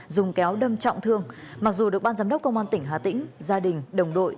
dùng kéo đâm trọng thương mặc dù được ban giám đốc công an tỉnh hà tĩnh gia đình đồng đội